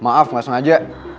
maaf gak sengaja